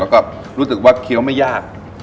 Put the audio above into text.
แล้วก็รู้สึกว่าเคี้ยวไม่ยาก